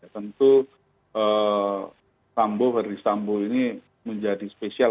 tentu sambo verdi sambo ini menjadi spesial